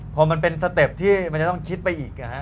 พอมันเป็นสเต็ปที่มันจะต้องคิดไปอีก